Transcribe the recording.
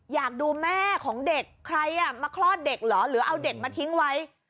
อยากดูแม่ของเด็กใครมาคลอดเด็กเหรอหรือเอาเด็กมาทิ้งไว้